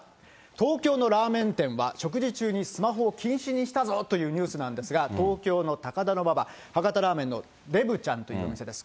東京のラーメン店は、食事中にスマホを禁止にしたぞというニュースなんですが、東京の高田馬場、博多ラーメンのでぶちゃんというお店です。